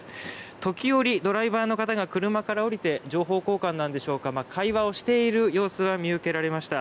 時折、ドライバーの方が車から降りて情報交換なんでしょうか会話をしている様子が見受けられました。